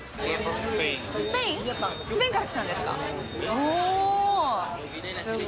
スペインから来たんですか？